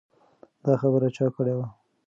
دا خبره چا کړې وه؟